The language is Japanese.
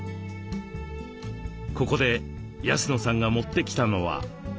ここで安野さんが持ってきたのは。